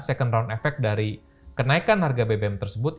second round effect dari kenaikan harga bbm tersebut